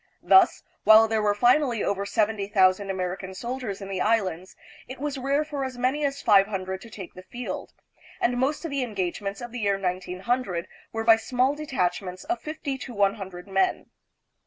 Thus, while there were finally over seventy! thousand American soldiers in the Islands, it was rare for as many as five hundred to take the field, and most of the engagements of the year 1900 were by small detachments of fifty to one hundred men.